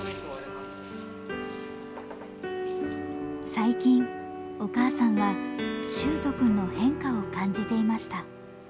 最近お母さんは秀斗くんの変化を感じていました。